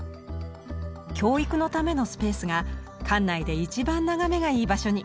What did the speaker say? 教育のためのスペースが館内で一番眺めがいい場所に。